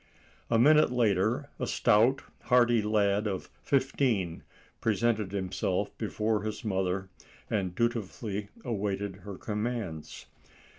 A minute later a stout, hearty lad of fifteen presented himself before his mother, and dutifully awaited her commands.